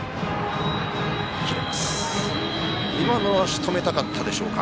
今のはしとめたかったでしょうか。